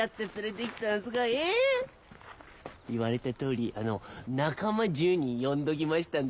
言われた通りあの仲間１０人呼んどきましたんで。